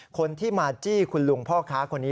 คนที่มาจี้คุณลุงพ่อค้าคนนี้